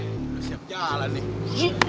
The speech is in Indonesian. siap jalan nih